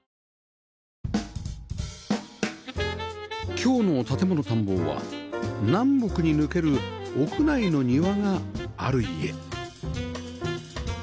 今日の『建もの探訪』は南北に抜ける屋内の庭がある家